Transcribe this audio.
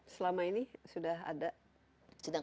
selama ini sudah ada